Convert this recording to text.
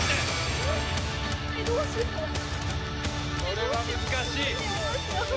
これは難しい。